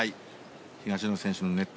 東野選手のネット